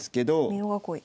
美濃囲い。